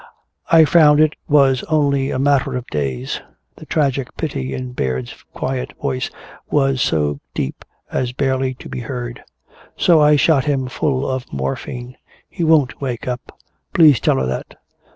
"I found it was only a matter of days." The tragic pity in Baird's quiet voice was so deep as barely to be heard. "So I shot him full of morphine. He won't wake up. Please tell her that."